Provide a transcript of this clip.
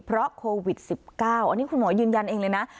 เพราะโควิด๑๙อันนี้คุณหมอยืนยันเองเลยนะ